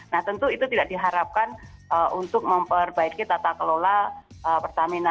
nah tentu itu tidak diharapkan untuk memperbaiki tata kelola pertamina